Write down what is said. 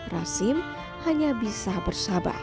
rasim hanya bisa bersabar